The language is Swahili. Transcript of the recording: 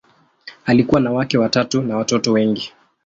Alikuwa na wake watatu na watoto wengi.